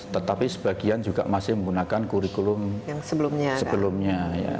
tetapi sebagian juga masih menggunakan kurikulum yang sebelumnya